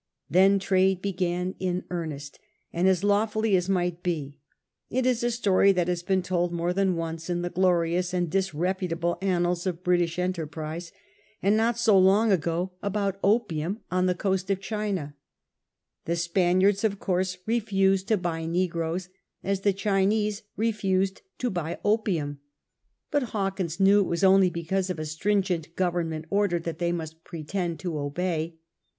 Then trade began in earnest, and as lawfully as might be. It is a story that has been told more than once in the glorious and disreputable annals of British enter prise, and not so long ago about opium on the coast of I HOW HA WKJNS DID BUSINESS 13 China. The Spaniards of course refused to buy negroes, as the Chinese refused to buy opium ; but Hawkins knew it was only because of a stringent Govemment order that they must pretend to obey.